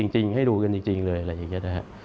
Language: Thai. ให้ดูกันจริงเลยอะไรอย่างนี้นะครับ